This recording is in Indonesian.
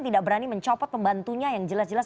tidak berani mencopot pembantunya yang jelas jelas